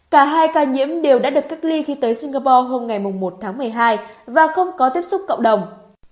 cả hai ca nhiễm đều đã được cách ly khi tới singapore hôm ngày một tháng một mươi hai và không có tiếp xúc cộng đồng